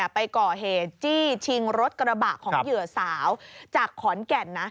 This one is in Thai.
ไปก่อเหตุจี้ชิงรถกระบะของเหยื่อสาวจากขอนแก่นนะ